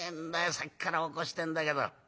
さっきから起こしてんだけど」。